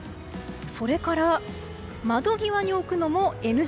それから窓際に置くのもＮＧ。